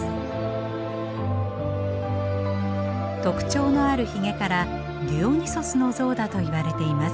特徴のある髭からディオニュソスの像だといわれています。